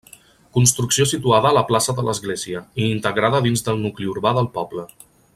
Construcció situada a la plaça de l'Església, i integrada dins del nucli urbà del poble.